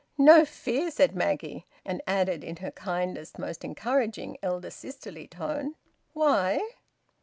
"No fear!" said Maggie. And added in her kindest, most encouraging, elder sisterly tone: "Why?"